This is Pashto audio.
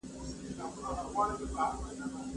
نه ده چي د هيواد نوم څه وو، یا څه دی، مهمه دا ده